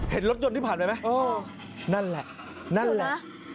เห็นรถยนต์ที่ผ่านไปไหมนั่นแหละนั่นแหละ